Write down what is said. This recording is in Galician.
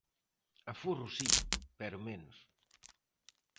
Aforro si, pero menos.